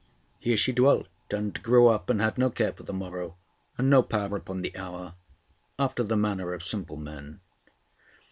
Here she dwelt and grew up, and had no care for the morrow, and no power upon the hour, after the manner of simple men.